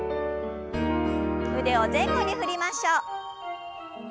腕を前後に振りましょう。